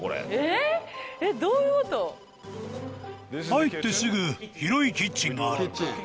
入ってすぐ広いキッチンがあるんだ。